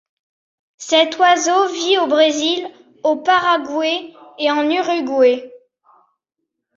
Cet oiseau vit au Brésil, au Paraguay et en Uruguay.